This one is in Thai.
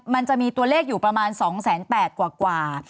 มันจะมีตัวเลขอยู่ประมาณ๒๘๐๐กว่า